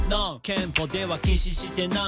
「憲法では禁止してない」